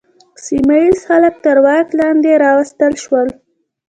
سیمه ییز خلک تر واک لاندې راوستل شول.